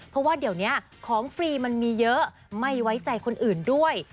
เพราะว่าเดี๋ยวนี้ของฟรีมันมีเยอะไม่ไว้ใจคนอื่นด้วย